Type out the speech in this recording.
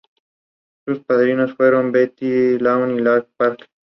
Es el aerogenerador emplazado a mayor altura del mundo.